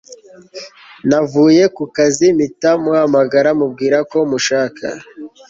navuye kukazi mpita muhamagara mubwira ko mushaka